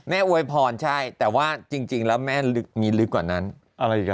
อวยพรใช่แต่ว่าจริงแล้วแม่ลึกมีลึกกว่านั้นอะไรอีกอ่ะ